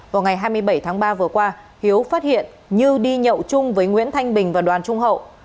vào ngày hai mươi bảy tháng ba vừa qua hiếu phát hiện như đi nhậu chung với nguyễn thanh bình và đoàn trung hậu